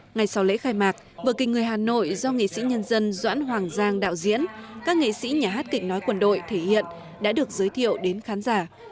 ngày sau lễ khai mạc vở kịch người hà nội do nghệ sĩ nhân dân doãn hoàng giang đạo diễn các nghệ sĩ nhà hát kịch nói quân đội thể hiện đã được giới thiệu đến khán giả